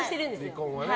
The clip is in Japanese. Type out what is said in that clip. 離婚はね。